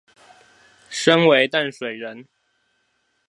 身為淡水人